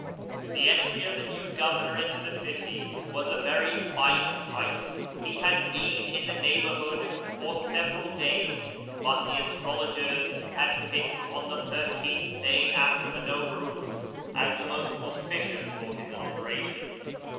j The entry of the new governor into the city was a very ine sight. He had been in the neighbourhood for several lays, but the astrologers had fixed on the thirteenth day after he IsTawriiz as most auspicious for his inauguration.